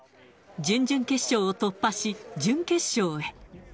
準々決勝を突破し、準決勝へ。